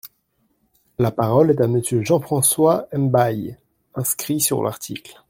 La parole est à Monsieur Jean François Mbaye, inscrit sur l’article.